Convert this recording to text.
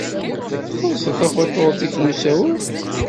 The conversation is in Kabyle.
Txellṣed tafatuṛt-nnek n usawal?